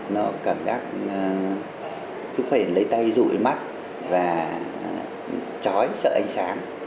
nó cảm giác chúng phải lấy tay rủi mắt và chói sợ ánh sáng